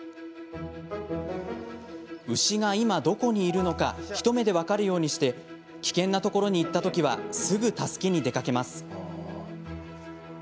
牛が今どこにいるのか一目で分かるようにして危険なところに行ったときはすぐ助けに出かけます。